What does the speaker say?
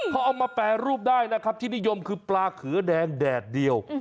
พอเอามาแปรรูปได้นะครับที่นิยมคือปลาเขือแดงแดดเดียว